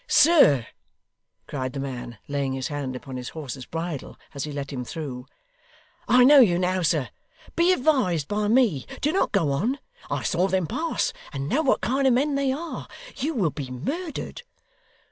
'Sir,' cried the man, laying his hand upon his horse's bridle as he let him through: 'I know you now, sir; be advised by me; do not go on. I saw them pass, and know what kind of men they are. You will be murdered.